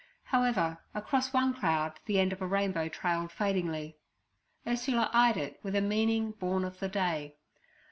However, across one cloud the end of a rainbow trailed fadingly. Ursula eyed it with a meaning born of the day.